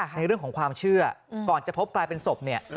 ในเรื่องของความเชื่อก่อนจะพบกลายเป็นศพเนี่ย